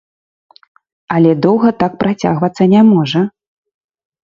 Але доўга так працягвацца не можа.